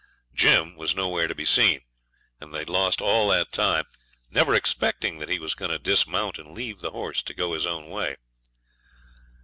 Jim was nowhere to be seen, and they'd lost all that time, never expecting that he was going to dismount and leave the horse to go his own way.